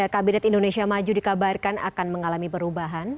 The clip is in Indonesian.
kabinet indonesia maju dikabarkan akan mengalami perubahan